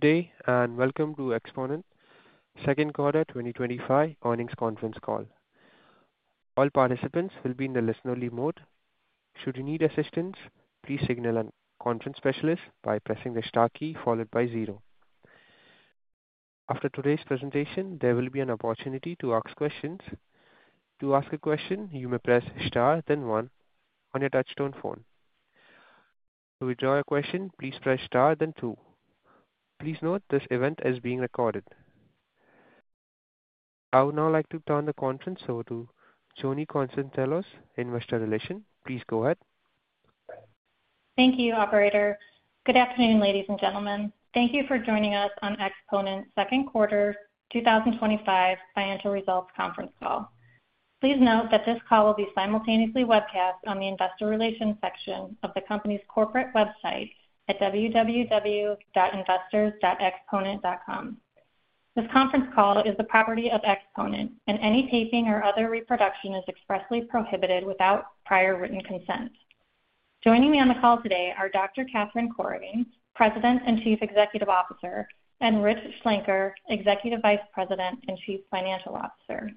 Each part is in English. Good day and welcome to Exponent, second quarter 2025 earnings conference call. All participants will be in listener mode. Should you need assistance, please signal a conference specialist by pressing the star key followed by zero. After today's presentation, there will be an opportunity to ask questions. To ask a question, you may press star then one on your touch-tone phone. To withdraw a question, please press star then two. Please note this event is being recorded. I would now like to turn the conference over to Joni Konstantelos, Investor Relations. Please go ahead. Thank you, operator. Good afternoon, ladies and gentlemen. Thank you for joining us on Exponent's second quarter 2025 financial results conference call. Please note that this call will be simultaneously webcast on the investor relations section of the company's corporate website at www.investors.exponent.com. This conference call is the property of Exponent, and any taping or other reproduction is expressly prohibited without prior written consent. Joining me on the call today are Dr. Catherine Corrigan, President and Chief Executive Officer, and Rich Schlenker, Executive Vice President and Chief Financial Officer.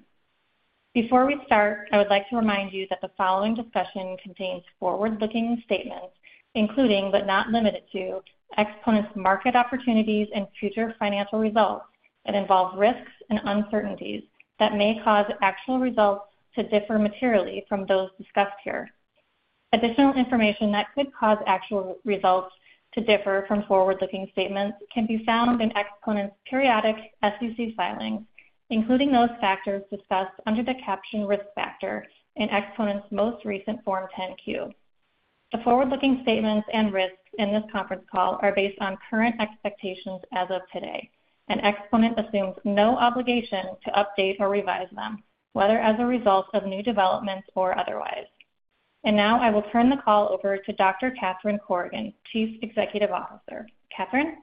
Before we start, I would like to remind you that the following discussion contains forward-looking statements, including but not limited to Exponent's market opportunities and future financial results, and involve risks and uncertainties that may cause actual results to differ materially from those discussed here. Additional information that could cause actual results to differ from forward-looking statements can be found in Exponent's periodic SEC filings, including those factors discussed under the caption risk factor in Exponent's most recent Form 10-Q. The forward-looking statements and risks in this conference call are based on current expectations as of today, and Exponent assumes no obligation to update or revise them, whether as a result of new developments or otherwise. I will turn the call over to Dr. Catherine Corrigan, Chief Executive Officer. Catherine?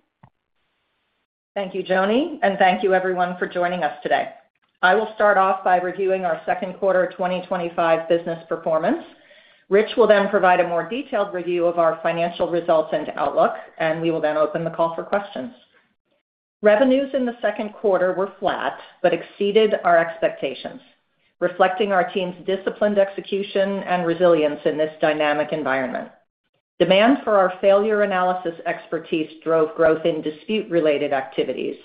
Thank you, Joni, and thank you everyone for joining us today. I will start off by reviewing our second quarter 2025 business performance. Rich will then provide a more detailed review of our financial results and outlook, and we will then open the call for questions. Revenues in the second quarter were flat but exceeded our expectations, reflecting our team's disciplined execution and resilience in this dynamic environment. Demand for our failure analysis expertise drove growth in dispute-related activities,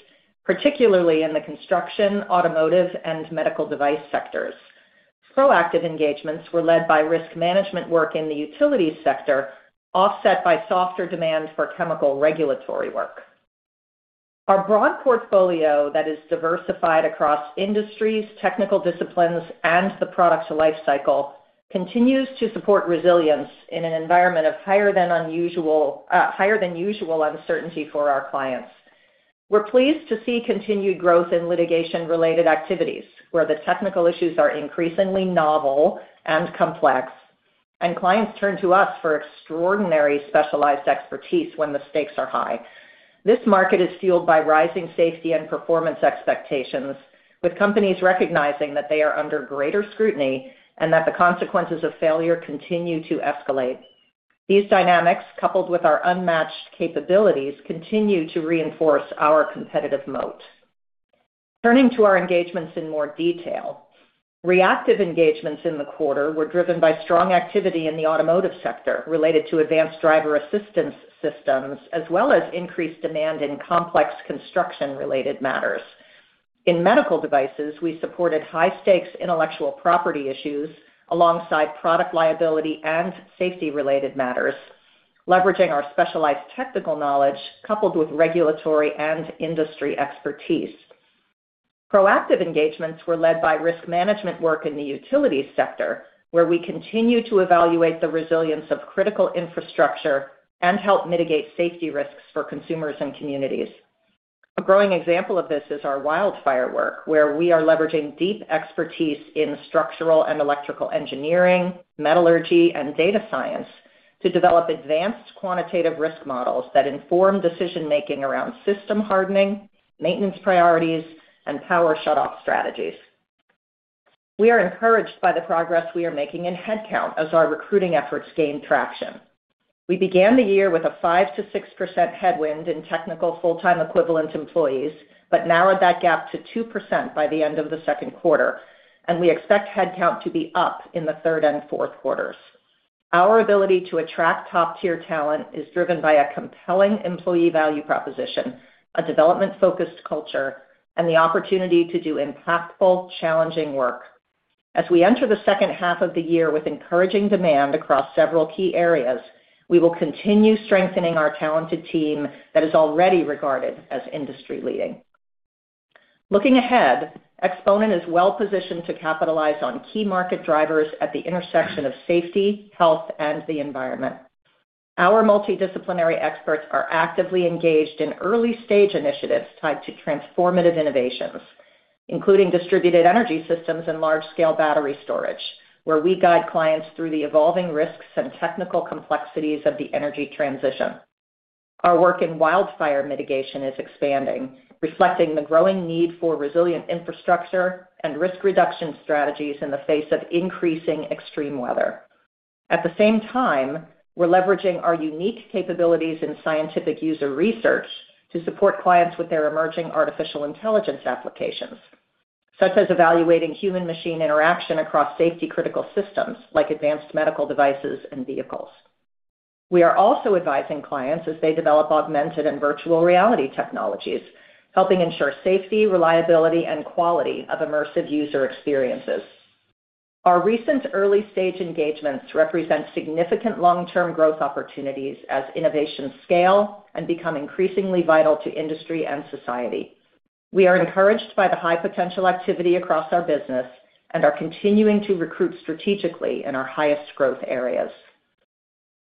particularly in the construction, automotive, and medical device sectors. Proactive engagements were led by risk management work in the utilities sector, offset by softer demand for chemical regulatory work. Our broad portfolio that is diversified across industries, technical disciplines, and the product lifecycle continues to support resilience in an environment of higher than usual uncertainty for our clients. We're pleased to see continued growth in litigation-related activities, where the technical issues are increasingly novel and complex, and clients turn to us for extraordinary specialized expertise when the stakes are high. This market is fueled by rising safety and performance expectations, with companies recognizing that they are under greater scrutiny and that the consequences of failure continue to escalate. These dynamics, coupled with our unmatched capabilities, continue to reinforce our competitive moat. Turning to our engagements in more detail, reactive engagements in the quarter were driven by strong activity in the automotive sector related to advanced driver assistance systems, as well as increased demand in complex construction-related matters. In medical devices, we supported high-stakes intellectual property issues alongside product liability and safety-related matters, leveraging our specialized technical knowledge coupled with regulatory and industry expertise. Proactive engagements were led by risk management work in the utilities sector, where we continue to evaluate the resilience of critical infrastructure and help mitigate safety risks for consumers and communities. A growing example of this is our wildfire work, where we are leveraging deep expertise in structural and electrical engineering, metallurgy, and data science to develop advanced quantitative risk models that inform decision-making around system hardening, maintenance priorities, and power shut-off strategies. We are encouraged by the progress we are making in headcount as our recruiting efforts gain traction. We began the year with a 5%-6% headwind in technical full-time equivalent employees, but narrowed that gap to 2% by the end of the second quarter, and we expect headcount to be up in the third and fourth quarters. Our ability to attract top-tier talent is driven by a compelling employee value proposition, a development-focused culture, and the opportunity to do impactful, challenging work. As we enter the second half of the year with encouraging demand across several key areas, we will continue strengthening our talented team that is already regarded as industry-leading. Looking ahead, Exponent is well-positioned to capitalize on key market drivers at the intersection of safety, health, and the environment. Our multidisciplinary experts are actively engaged in early-stage initiatives tied to transformative innovations, including distributed energy systems and large-scale battery storage, where we guide clients through the evolving risks and technical complexities of the energy transition. Our work in wildfire mitigation is expanding, reflecting the growing need for resilient infrastructure and risk reduction strategies in the face of increasing extreme weather. At the same time, we're leveraging our unique capabilities in scientific user research to support clients with their emerging artificial intelligence applications, such as evaluating human-machine interaction across safety-critical systems like advanced medical devices and vehicles. We are also advising clients as they develop augmented and virtual reality technologies, helping ensure safety, reliability, and quality of immersive user experiences. Our recent early-stage engagements represent significant long-term growth opportunities as innovations scale and become increasingly vital to industry and society. We are encouraged by the high potential activity across our business and are continuing to recruit strategically in our highest growth areas.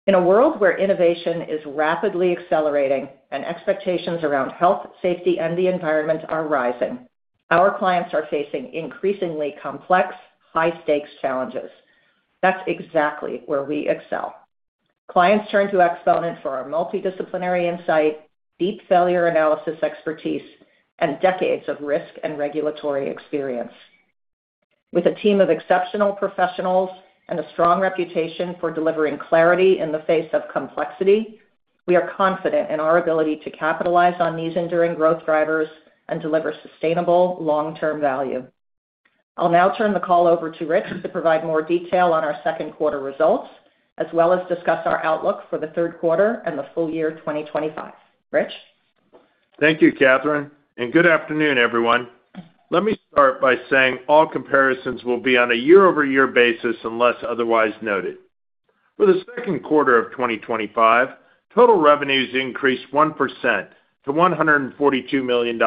In a world where innovation is rapidly accelerating and expectations around health, safety, and the environment are rising, our clients are facing increasingly complex, high-stakes challenges. That's exactly where we excel. Clients turn to Exponent for our multidisciplinary insight, deep failure analysis expertise, and decades of risk and regulatory experience. With a team of exceptional professionals and a strong reputation for delivering clarity in the face of complexity, we are confident in our ability to capitalize on these enduring growth drivers and deliver sustainable long-term value. I'll now turn the call over to Rich to provide more detail on our second quarter results, as well as discuss our outlook for the third quarter and the full year 2025. Rich? Thank you, Catherine, and good afternoon, everyone. Let me start by saying all comparisons will be on a year-over-year basis unless otherwise noted. For the second quarter of 2025, total revenues increased 1% to $142 million,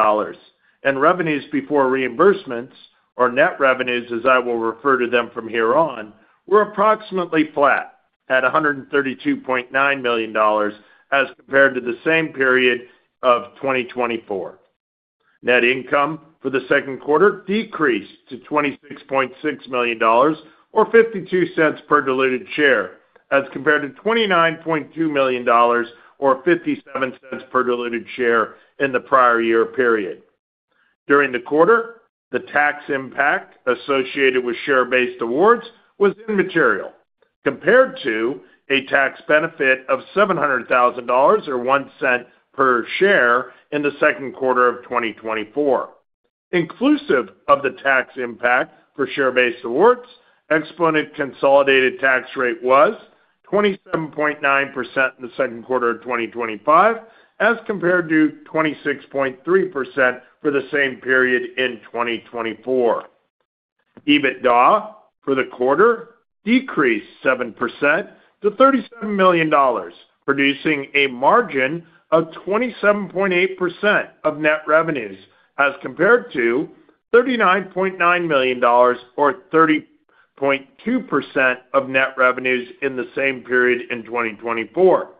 and revenues before reimbursements, or net revenues as I will refer to them from here on, were approximately flat at $132.9 million as compared to the same period of 2024. Net income for the second quarter decreased to $26.6 million or $0.52 per diluted share as compared to $29.2 million or $0.57 per diluted share in the prior year period. During the quarter, the tax impact associated with share-based awards was immaterial compared to a tax benefit of $700,000 or $0.01 per share in the second quarter of 2024. Inclusive of the tax impact for share-based awards, Exponent's consolidated tax rate was 27.9% in the second quarter of 2025 as compared to 26.3% for the same period in 2024. EBITDA for the quarter decreased 7% to $37 million, producing a margin of 27.8% of net revenues as compared to $39.9 million or 30.2% of net revenues in the same period in 2024.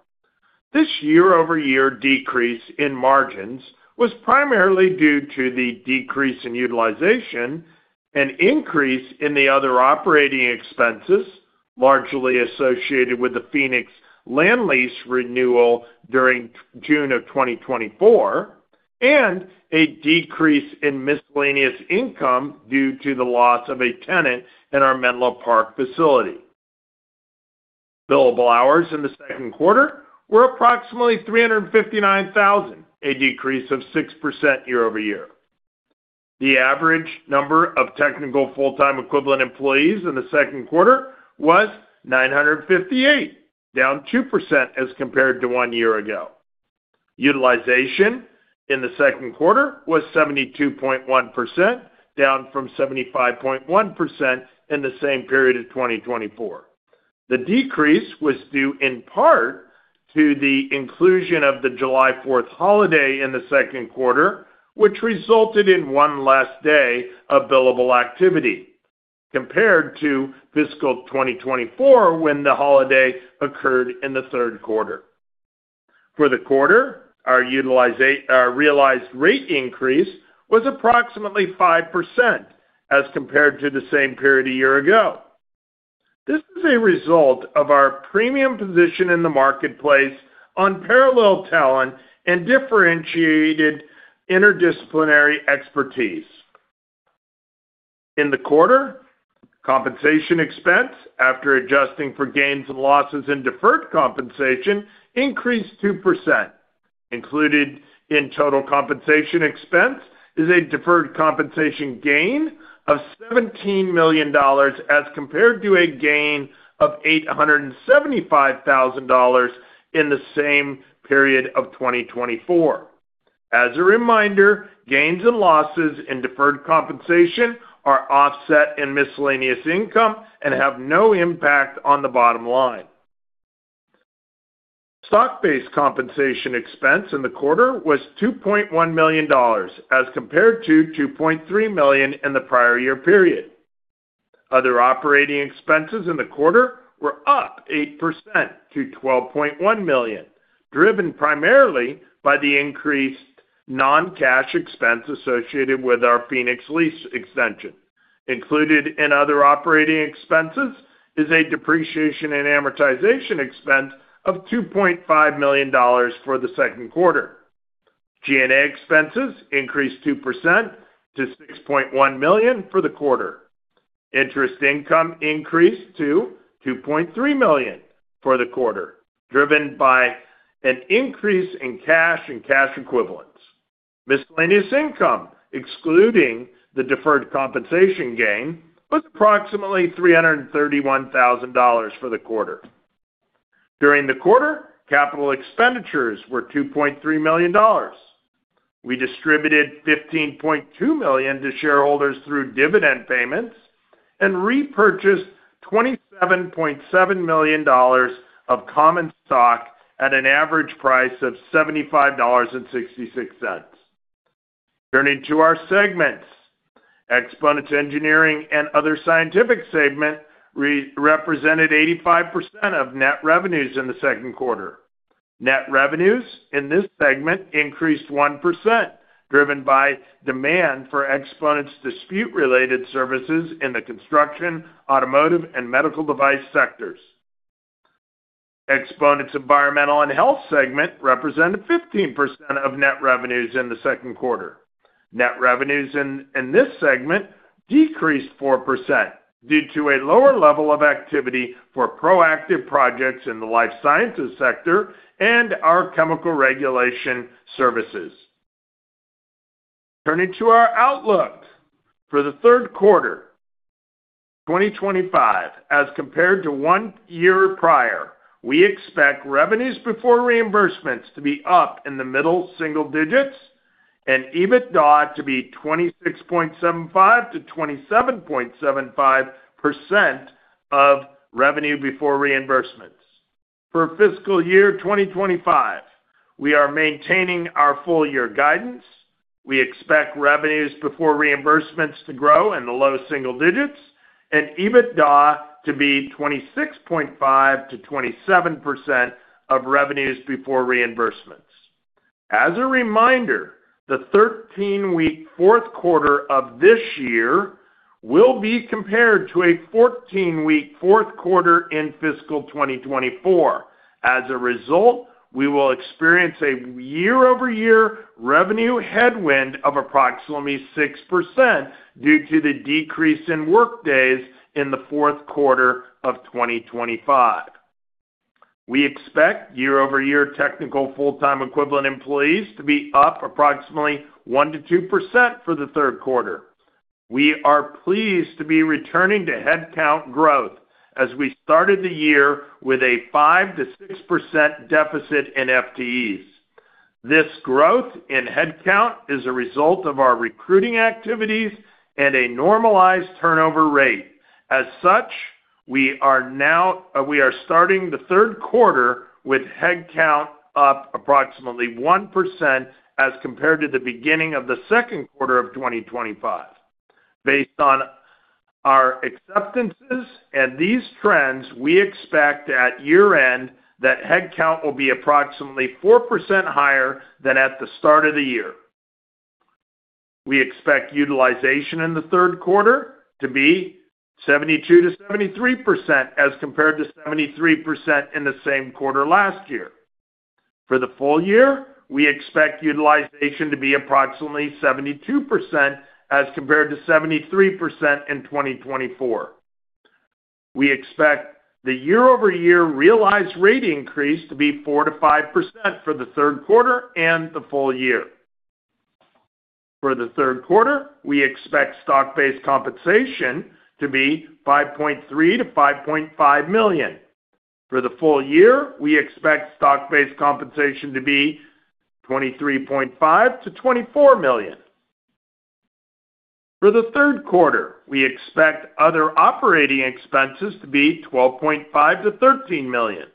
This year-over-year decrease in margins was primarily due to the decrease in utilization and increase in the other operating expenses largely associated with the Phoenix land lease renewal during June of 2024 and a decrease in miscellaneous income due to the loss of a tenant in our Menlo Park facility. Billable hours in the second quarter were approximately 359,000, a decrease of 6% year over year. The average number of technical full-time equivalent employees in the second quarter was 958, down 2% as compared to one year ago. Utilization in the second quarter was 72.1%, down from 75.1% in the same period of 2024. The decrease was due in part to the inclusion of the July 4th holiday in the second quarter, which resulted in one less day of billable activity compared to fiscal 2024 when the holiday occurred in the third quarter. For the quarter, our realized rate increase was approximately 5% as compared to the same period a year ago. This is a result of our premium position in the marketplace on parallel talent and differentiated interdisciplinary expertise. In the quarter, compensation expense, after adjusting for gains and losses in deferred compensation, increased 2%. Included in total compensation expense is a deferred compensation gain of $17 million as compared to a gain of $875,000 in the same period of 2024. As a reminder, gains and losses in deferred compensation are offset in miscellaneous income and have no impact on the bottom line. Stock-based compensation expense in the quarter was $2.1 million as compared to $2.3 million in the prior year period. Other operating expenses in the quarter were up 8% to $12.1 million, driven primarily by the increased non-cash expense associated with our Phoenix lease extension. Included in other operating expenses is a depreciation and amortization expense of $2.5 million for the second quarter. G&A expenses increased 2% to $6.1 million for the quarter. Interest income increased to $2.3 million for the quarter, driven by an increase in cash and cash equivalents. Miscellaneous income, excluding the deferred compensation gain, was approximately $331,000 for the quarter. During the quarter, capital expenditures were $2.3 million. We distributed $15.2 million to shareholders through dividend payments and repurchased $27.7 million of common stock at an average price of $75.66. Turning to our segments, Exponent's engineering and other scientific segment represented 85% of net revenues in the second quarter. Net revenues in this segment increased 1%, driven by demand for Exponent's dispute-related services in the construction, automotive, and medical device sectors. Exponent's environmental and health segment represented 15% of net revenues in the second quarter. Net revenues in this segment decreased 4% due to a lower level of activity for proactive projects in the life sciences sector and our chemical regulation services. Turning to our outlook for the third quarter 2025, as compared to one year prior, we expect revenues before reimbursements to be up in the middle single digits and EBITDA to be 26.75%-27.75% of revenue before reimbursements. For fiscal year 2025, we are maintaining our full-year guidance. We expect revenues before reimbursements to grow in the low single digits and EBITDA to be 26.5%-27% of revenues before reimbursements. As a reminder, the 13-week fourth quarter of this year will be compared to a 14-week fourth quarter in fiscal 2024. As a result, we will experience a year-over-year revenue headwind of approximately 6% due to the decrease in workdays in the fourth quarter of 2025. We expect year-over-year technical full-time equivalent employees to be up approximately 1%-2% for the third quarter. We are pleased to be returning to headcount growth as we started the year with a 5%-6% deficit in FTEs. This growth in headcount is a result of our recruiting activities and a normalized turnover rate. As such, we are starting the third quarter with headcount up approximately 1% as compared to the beginning of the second quarter of 2025. Based on our acceptances and these trends, we expect at year-end that headcount will be approximately 4% higher than at the start of the year. We expect utilization in the third quarter to be 72%-73% as compared to 73% in the same quarter last year. For the full year, we expect utilization to be approximately 72% as compared to 73% in 2024. We expect the year-over-year realized rate increase to be 4%-5% for the third quarter and the full year. For the third quarter, we expect stock-based compensation to be $5.3 million-$5.5 million. For the full year, we expect stock-based compensation to be $23.5 million-$24 million. For the third quarter, we expect other operating expenses to be $12.5 million-$13 million.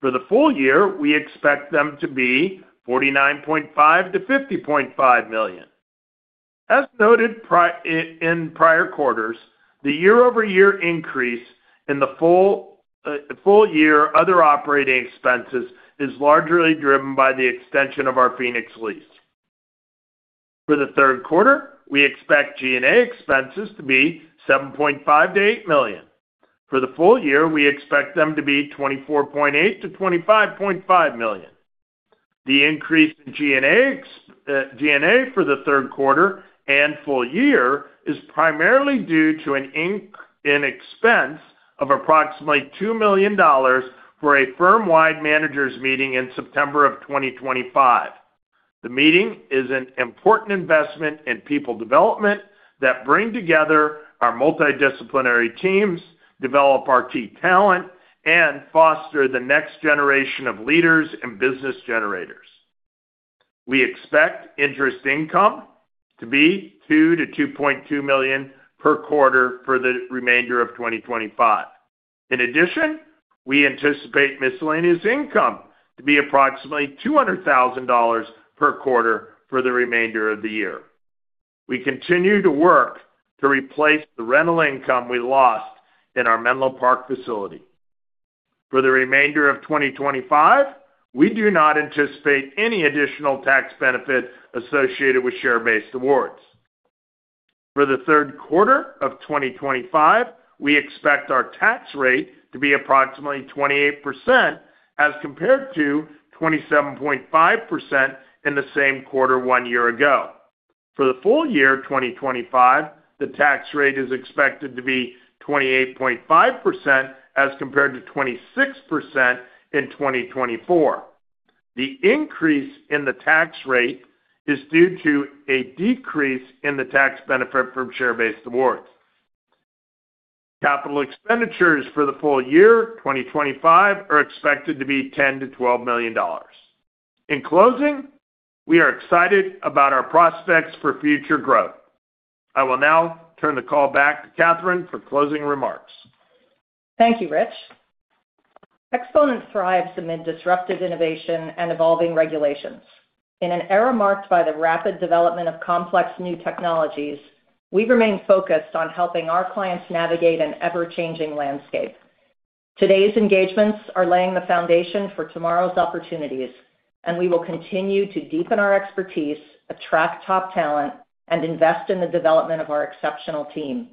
For the full year, we expect them to be $49.5 million-$50.5 million. As noted in prior quarters, the year-over-year increase in the full year other operating expenses is largely driven by the extension of our Phoenix lease. For the third quarter, we expect G&A expenses to be $7.5 million-$8 million. For the full year, we expect them to be $24.8 million-$25.5 million. The increase in G&A for the third quarter and full year is primarily due to an expense of approximately $2 million for a firm-wide manager's meeting in September of 2025. The meeting is an important investment in people development that brings together our multidisciplinary teams, develops our key talent, and fosters the next generation of leaders and business generators. We expect interest income to be $2 million-$2.2 million per quarter for the remainder of 2025. In addition, we anticipate miscellaneous income to be approximately $200,000 per quarter for the remainder of the year. We continue to work to replace the rental income we lost in our Menlo Park facility. For the remainder of 2025, we do not anticipate any additional tax benefit associated with share-based awards. For the third quarter of 2025, we expect our tax rate to be approximately 28% as compared to 27.5% in the same quarter one year ago. For the full year 2025, the tax rate is expected to be 28.5% as compared to 26% in 2024. The increase in the tax rate is due to a decrease in the tax benefit from share-based awards. Capital expenditures for the full year 2025 are expected to be $10 million-$12 million. In closing, we are excited about our prospects for future growth. I will now turn the call back to Catherine for closing remarks. Thank you, Rich. Exponent thrives amid disruptive innovation and evolving regulations. In an era marked by the rapid development of complex new technologies, we remain focused on helping our clients navigate an ever-changing landscape. Today's engagements are laying the foundation for tomorrow's opportunities, and we will continue to deepen our expertise, attract top talent, and invest in the development of our exceptional team.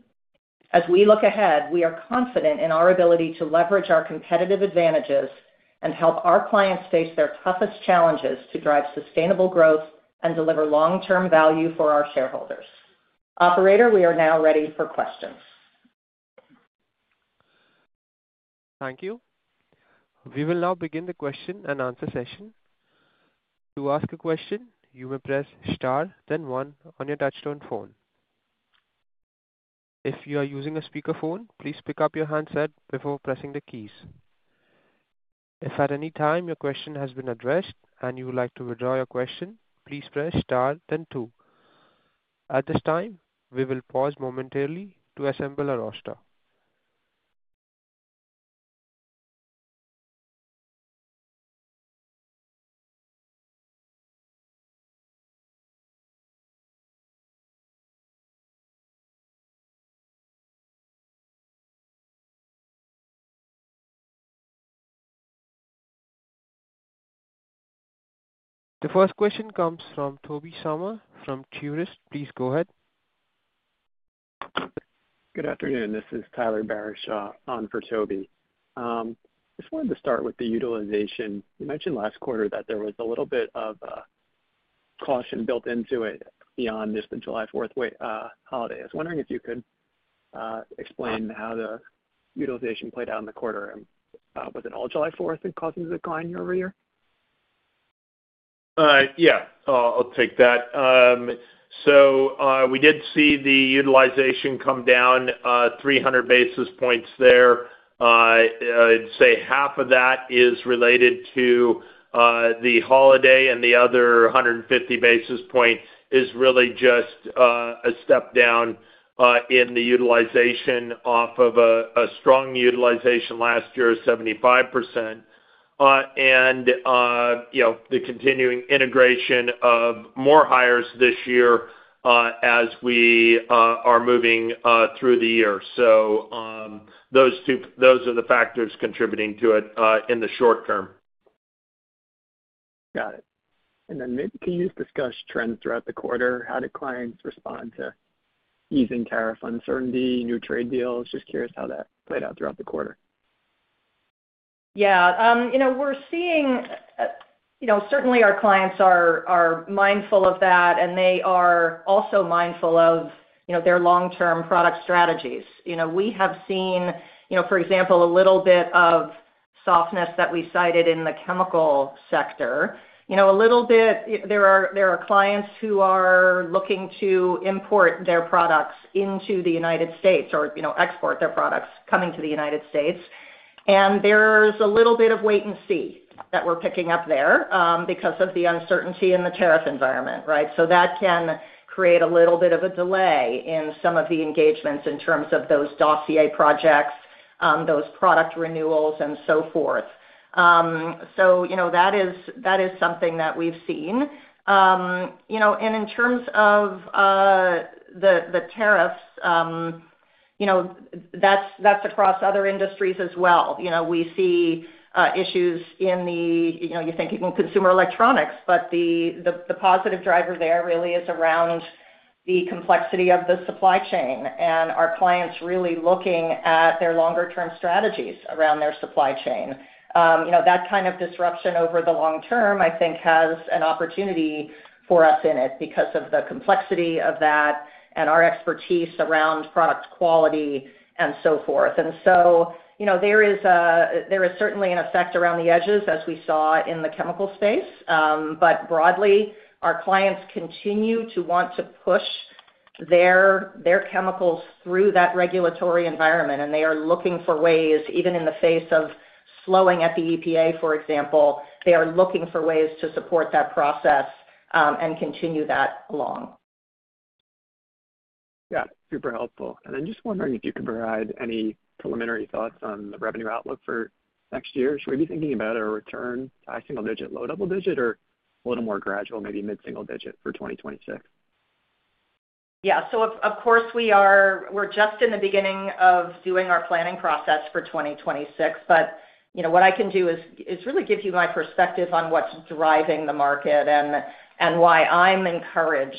As we look ahead, we are confident in our ability to leverage our competitive advantages and help our clients face their toughest challenges to drive sustainable growth and deliver long-term value for our shareholders. Operator, we are now ready for questions. Thank you. We will now begin the question and answer session. To ask a question, you may press star, then one on your touch-tone phone. If you are using a speakerphone, please pick up your handset before pressing the keys. If at any time your question has been addressed and you would like to withdraw your question, please press star, then two. At this time, we will pause momentarily to assemble our roster. The first question comes from Tobey Sommer from Truist. Please go ahead. Good afternoon. This is Tyler Barishaw on for Toby. I just wanted to start with the utilization. You mentioned last quarter that there was a little bit of caution built into it beyond just the July 4th holiday. I was wondering if you could explain how the utilization played out in the quarter. Was it all July 4th and causing the decline year over year? I'll take that. We did see the utilization come down 300 basis points there. I'd say half of that is related to the holiday, and the other 150 basis points is really just a step down in the utilization off of a strong utilization last year of 75%. You know, the continuing integration of more hires this year as we are moving through the year. Those are the factors contributing to it in the short term. Got it. Can you just discuss trends throughout the quarter? How did clients respond to easing tariff uncertainty, new trade deals? Just curious how that played out throughout the quarter. Yeah, we're seeing our clients are mindful of that, and they are also mindful of their long-term product strategies. We have seen, for example, a little bit of softness that we cited in the chemical sector. There are clients who are looking to import their products into the United States or export their products coming to the United States. There's a little bit of wait and see that we're picking up there because of the uncertainty in the tariff environment, right? That can create a little bit of a delay in some of the engagements in terms of those dossier projects, those product renewals, and so forth. That is something that we've seen. In terms of the tariffs, that's across other industries as well. We see issues in, you know, even consumer electronics, but the positive driver there really is around the complexity of the supply chain and our clients really looking at their longer-term strategies around their supply chain. That kind of disruption over the long term, I think, has an opportunity for us in it because of the complexity of that and our expertise around product quality and so forth. There is certainly an effect around the edges as we saw in the chemical space. Broadly, our clients continue to want to push their chemicals through that regulatory environment, and they are looking for ways, even in the face of slowing at the EPA, for example, they are looking for ways to support that process and continue that along. Yeah. Super helpful. I'm just wondering if you could provide any preliminary thoughts on the revenue outlook for next year. Should we be thinking about a return to high single digit, low double digit, or a little more gradual, maybe mid-single digit for 2026? Yeah. Of course, we are just in the beginning of doing our planning process for 2026. What I can do is really give you my perspective on what's driving the market and why I'm encouraged,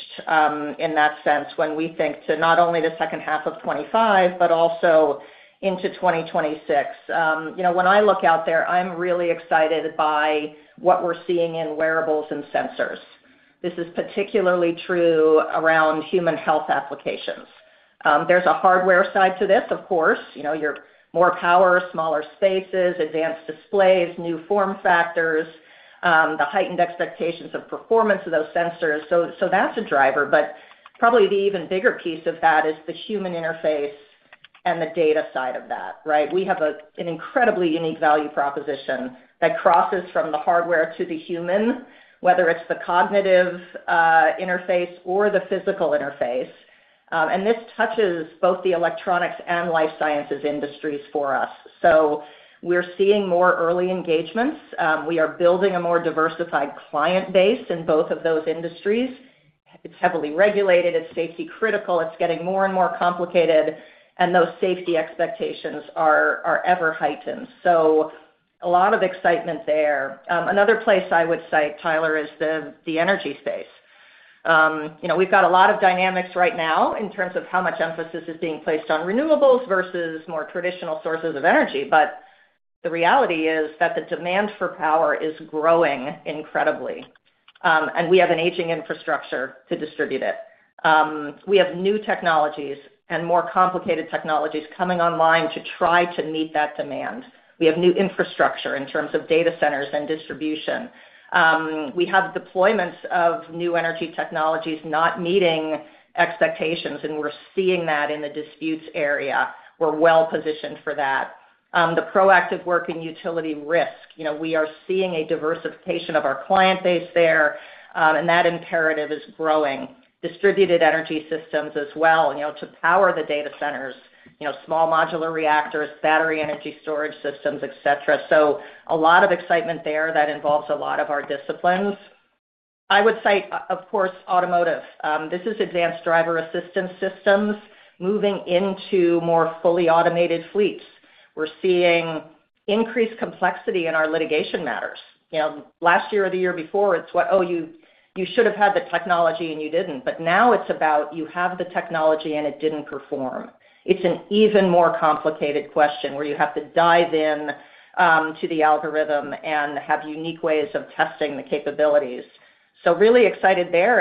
in that sense, when we think to not only the second half of 2025 but also into 2026. When I look out there, I'm really excited by what we're seeing in wearables and sensors. This is particularly true around human health applications. There's a hardware side to this, of course. More power, smaller spaces, advanced displays, new form factors, the heightened expectations of performance of those sensors. That's a driver. Probably the even bigger piece of that is the human interface and the data side of that, right? We have an incredibly unique value proposition that crosses from the hardware to the human, whether it's the cognitive interface or the physical interface. This touches both the electronics and life sciences industries for us. We're seeing more early engagements. We are building a more diversified client base in both of those industries. It's heavily regulated. It's safety-critical. It's getting more and more complicated. Those safety expectations are ever-heightened. A lot of excitement there. Another place I would cite, Tyler, is the energy space. We've got a lot of dynamics right now in terms of how much emphasis is being placed on renewables versus more traditional sources of energy. The reality is that the demand for power is growing incredibly, and we have an aging infrastructure to distribute it. We have new technologies and more complicated technologies coming online to try to meet that demand. We have new infrastructure in terms of data centers and distribution. We have deployments of new energy technologies not meeting expectations, and we're seeing that in the disputes area. We're well-positioned for that. The proactive work in utility risk, we are seeing a diversification of our client base there, and that imperative is growing. Distributed energy systems as well, to power the data centers, small modular reactors, battery energy storage systems, et cetera. A lot of excitement there that involves a lot of our disciplines. I would cite, of course, automotive. This is advanced driver assistance systems moving into more fully automated fleets. We're seeing increased complexity in our litigation matters. Last year or the year before, it's what, "Oh, you should have had the technology and you didn't." Now it's about, "You have the technology and it didn't perform." It's an even more complicated question where you have to dive in to the algorithm and have unique ways of testing the capabilities. Really excited there.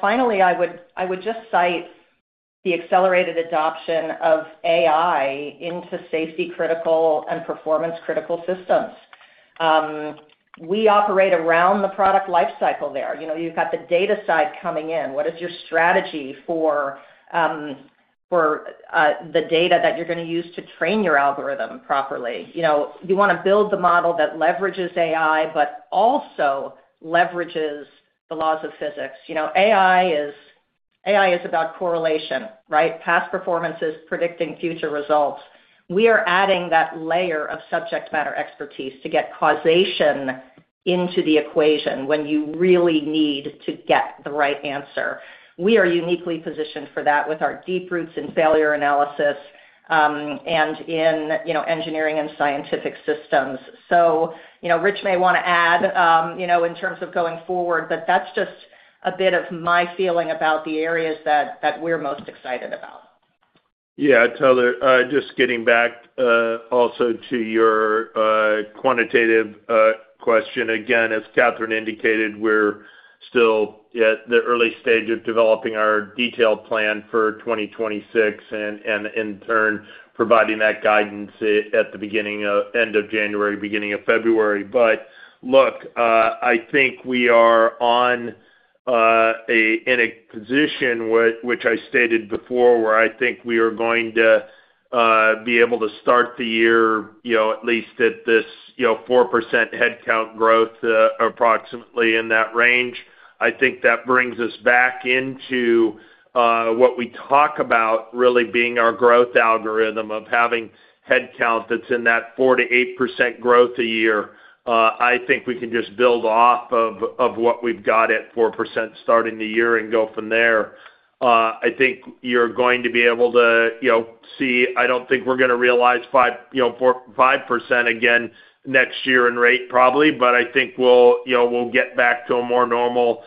Finally, I would just cite the accelerated adoption of AI into safety-critical and performance-critical systems. We operate around the product lifecycle there. You've got the data side coming in. What is your strategy for the data that you're going to use to train your algorithm properly? You want to build the model that leverages AI but also leverages the laws of physics. AI is about correlation, right? Past performance is predicting future results. We are adding that layer of subject matter expertise to get causation into the equation when you really need to get the right answer. We are uniquely positioned for that with our deep roots in failure analysis, and in engineering and scientific systems. Rich may want to add in terms of going forward, but that's just a bit of my feeling about the areas that we're most excited about. Yeah. Tyler, just getting back also to your quantitative question. As Catherine indicated, we're still at the early stage of developing our detailed plan for 2026 and in turn providing that guidance at the end of January, beginning of February. I think we are in a position, which I stated before, where I think we are going to be able to start the year at least at this 4% headcount growth, approximately in that range. I think that brings us back into what we talk about really being our growth algorithm of having headcount that's in that 4%-8% growth a year. I think we can just build off of what we've got at 4% starting the year and go from there. I think you're going to be able to see, I don't think we're going to realize 4%, 5% again next year in rate probably, but I think we'll get back to a more normal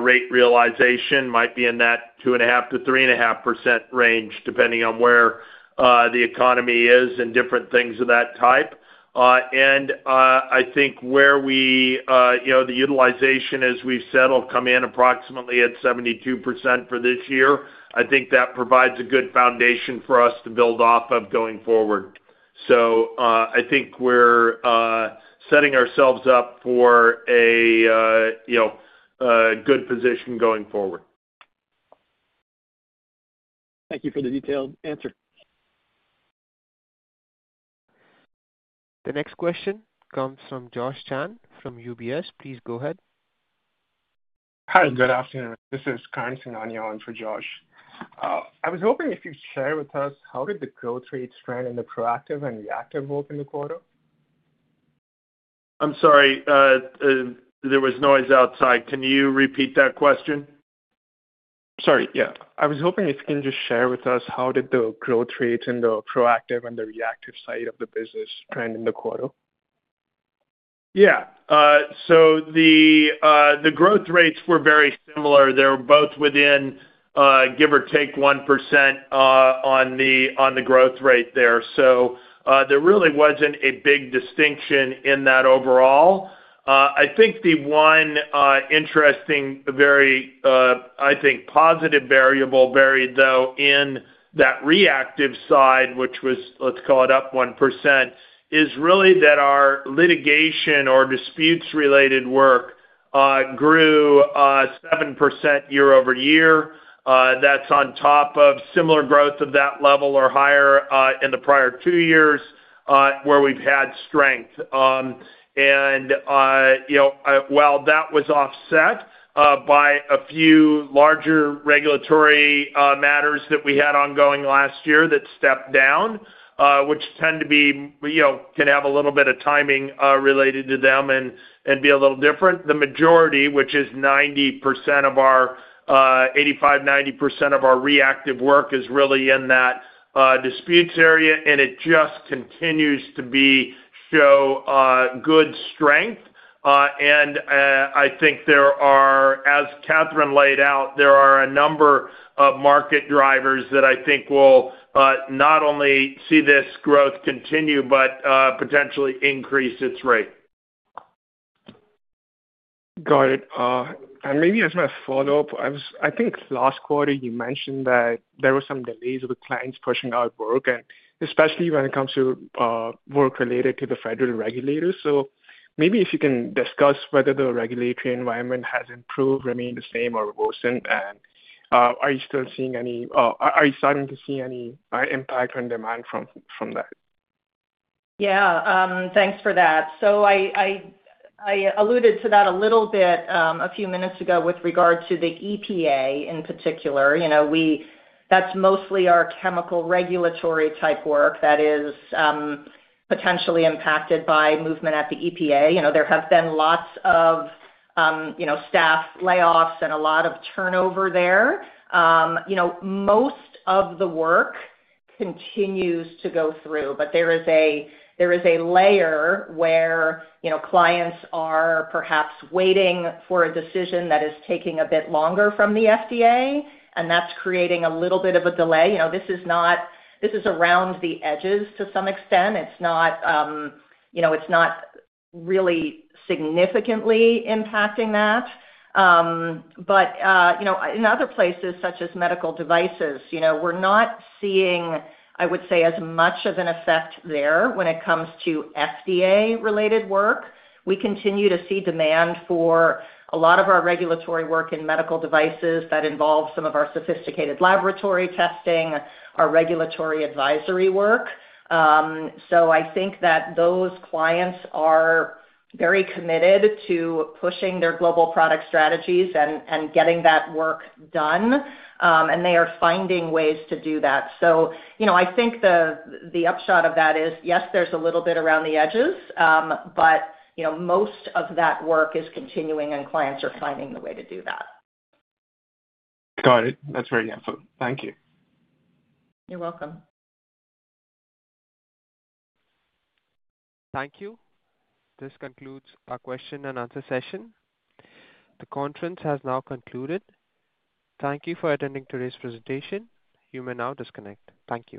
rate realization. Might be in that 2.5%-3.5% range depending on where the economy is and different things of that type. I think where we, the utilization, as we've said, will come in approximately at 72% for this year. I think that provides a good foundation for us to build off of going forward. I think we're setting ourselves up for a good position going forward. Thank you for the detailed answer. The next question comes from Josh Chan from UBS. Please go ahead. Hi, and good afternoon. This is [Carnson] on the line for Josh. I was hoping if you'd share with us how did the growth rates trend in the proactive and reactive role in the quarter? I'm sorry, there was noise outside. Can you repeat that question? Yeah. I was hoping if you can just share with us how did the growth rates in the proactive and the reactive side of the business trend in the quarter? Yeah, the growth rates were very similar. They're both within, give or take, 1%, on the growth rate there. There really wasn't a big distinction in that overall. I think the one interesting, very positive variable, though, in that reactive side, which was, let's call it up 1%, is really that our litigation or disputes-related work grew 7% year over year. That's on top of similar growth of that level or higher in the prior two years, where we've had strength. While that was offset by a few larger regulatory matters that we had ongoing last year that stepped down, which tend to be, you know, can have a little bit of timing related to them and be a little different. The majority, which is 85%, 90% of our reactive work, is really in that disputes area, and it just continues to show good strength. I think there are, as Catherine laid out, a number of market drivers that I think will not only see this growth continue but potentially increase its rate. Got it. Maybe as my follow-up, I was, I think last quarter you mentioned that there were some delays with clients pushing out work, especially when it comes to work related to the federal regulators. Maybe if you can discuss whether the regulatory environment has improved, remained the same, or worsened, and are you still seeing any, are you starting to see any, impact on demand from that? Yeah, thanks for that. I alluded to that a little bit, a few minutes ago with regard to the EPA in particular. You know, that's mostly our chemical regulatory type work that is potentially impacted by movement at the EPA. You know, there have been lots of staff layoffs and a lot of turnover there. You know, most of the work continues to go through, but there is a layer where clients are perhaps waiting for a decision that is taking a bit longer from the FDA, and that's creating a little bit of a delay. This is not, this is around the edges to some extent. It's not really significantly impacting that. In other places such as medical devices, we're not seeing, I would say, as much of an effect there when it comes to FDA-related work. We continue to see demand for a lot of our regulatory work in medical devices that involves some of our sophisticated laboratory testing, our regulatory advisory work. I think that those clients are very committed to pushing their global product strategies and getting that work done, and they are finding ways to do that. I think the upshot of that is, yes, there's a little bit around the edges, but most of that work is continuing and clients are finding the way to do that. Got it. That's very helpful. Thank you. You're welcome. Thank you. This concludes our question and answer session. The conference has now concluded. Thank you for attending today's presentation. You may now disconnect. Thank you.